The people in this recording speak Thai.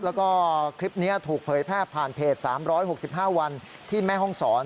แล้วก็คลิปนี้ถูกเผยแพร่ผ่านเพจ๓๖๕วันที่แม่ห้องศร